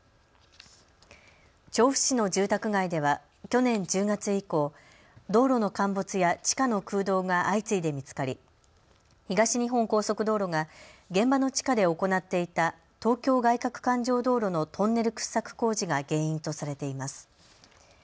調布市の住宅街では去年１０月以降、道路の陥没や地下の空洞が相次いで見つかり東日本高速道路が現場の地下で行っていた東京外かく環状道路のトンネル掘削工事が原因とされています。